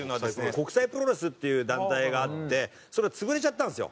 国際プロレスっていう団体があってそれが潰れちゃったんですよ。